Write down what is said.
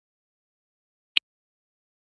د شپږیزې لیګ هر کال ترسره کیږي.